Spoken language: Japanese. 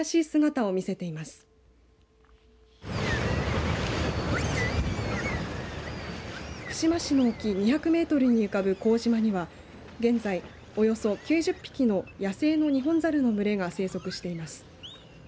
串間市の沖、２００メートルに浮かぶ幸島には現在、およそ９０匹の野生のニホンザルの群れが生息しています。